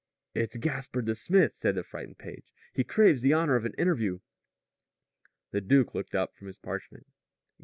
"It's Gaspard the smith," said the frightened page. "He craves the honor of an interview." The duke looked up from his parchment.